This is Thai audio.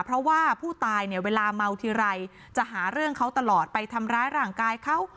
เพราะว่าผู้ตายเนี่ยเวลาเมาทีไรจะหาเรื่องเขาตลอดไปทำร้ายร่างกายเขา